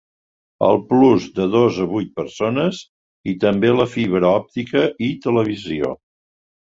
El plus de dos a vuit persones i també la fibra òptica i televisió.